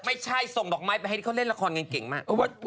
ไม่ใช่ส่งดอกไม้ไปให้เขาเล่นละครกันเก่งมาก